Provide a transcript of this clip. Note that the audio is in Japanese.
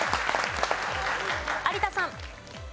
有田さん。